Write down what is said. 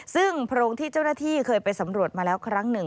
ซึ่งโพรงที่เจ้าหน้าที่เคยไปสำรวจมาแล้วครั้งหนึ่ง